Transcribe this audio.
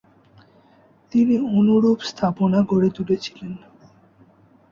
তিনি অনুরূপ স্থাপনা গড়ে তুলেছিলেন।